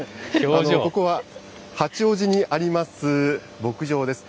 ここは八王子にあります牧場です。